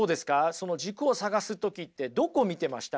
その軸を探す時ってどこ見てました？